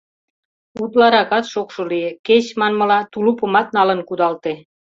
Утларакат шокшо лие, кеч, манмыла, тулупымат налын кудалте.